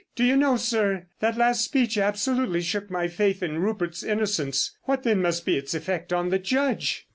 Do you know, sir, that last speech absolutely shook my faith in Rupert's innocence; what, then, must be its effect on the Judge!"